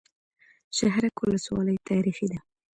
شهرک ولسوالۍ تاریخي ده؟